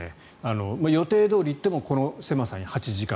予定どおりいってもこの狭さに８時間。